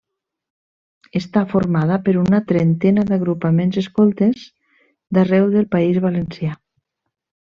Està formada per una trentena d'agrupaments escoltes d'arreu del País Valencià.